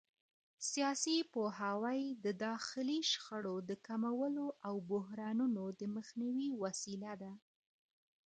سیاسي پوهاوی د داخلي شخړو د کمولو او بحرانونو د مخنیوي وسیله ده